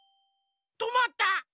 とまった。